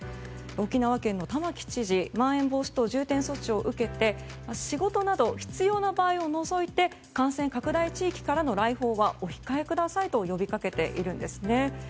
沖縄県の玉城知事まん延防止等重点措置を受けて仕事など必要な場合を除いて感染拡大地域からの来訪はお控えくださいと呼びかけているんですね。